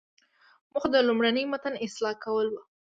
موخه د لومړني متن اصلاح کول وو.